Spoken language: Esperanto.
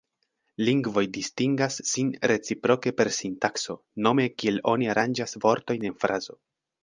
Lingvoj distingas sin reciproke per sintakso, nome kiel oni aranĝas vortojn en frazo.